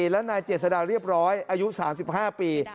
และนายเจษฎาเรียบร้อยอายุ๓๕ปี